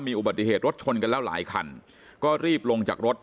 อุบัติเหตุรถชนกันแล้วหลายคันก็รีบลงจากรถ